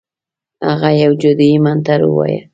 هغه یو جادویي منتر ووایه.